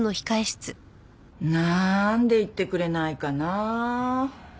なんで言ってくれないかなあ。